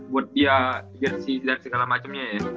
buat dia lihat segala macemnya ya